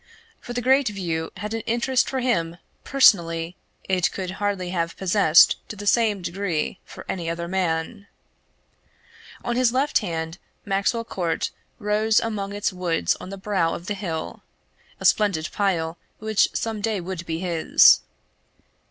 For the great view had an interest for him personally it could hardly have possessed to the same degree for any other man. On his left hand Maxwell Court rose among its woods on the brow of the hill a splendid pile which some day would be his.